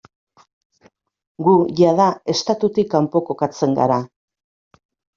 Gu jada estatutik kanpo kokatzen gara.